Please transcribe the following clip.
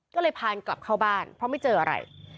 ก็เลยพากลับเข้าบ้านเพราะไม่เจออะไร